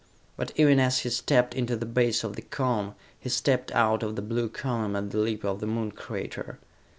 But even as he stepped into the base of the Cone, he stepped out of the blue column at the lip of the Moon crater.